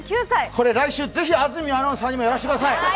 これ来週ぜひ安住アナウンサーにもやらせてください。